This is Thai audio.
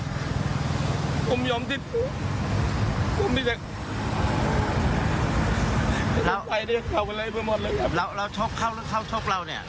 ผมยอมติดคุกผมไม่มีอะไรผมไม่มีอะไรพี่แล้วเราชกเข้าชกเราเนี่ย